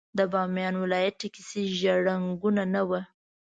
د بامیان ولايت ټکسي ژېړ رنګونه نه وو.